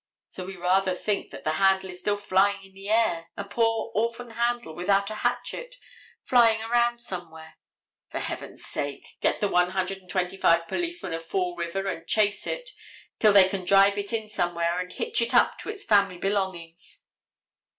So we rather think that the handle is still flying in the air, a poor orphan handle without a hatchet, flying around somewhere. For heaven's sake get the one hundred and twenty five policemen of Fall River and chase it till they can drive it in somewhere and hitch it up to its family belongings.